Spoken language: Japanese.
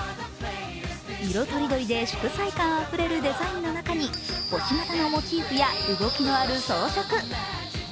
色とりどりで色彩感あふれるデザインの中に星形のモチーフや動きのある装飾。